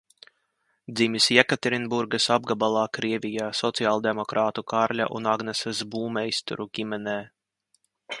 Dzimis Jekaterinburgas apgabalā Krievijā sociāldemokrātu Kārļa un Agneses Būmeisteru ģimenē.